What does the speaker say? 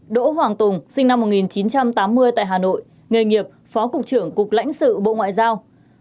đỗ hoàng tùng sinh năm một nghìn chín trăm tám mươi tại hà nội nghề nghiệp phó cục trưởng cục lãnh sự bộ ngoại giao